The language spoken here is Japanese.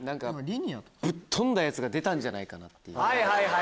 ぶっ飛んだやつが出たんじゃないかなっていう。